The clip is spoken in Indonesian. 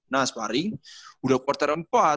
nah sparring udah quarter empat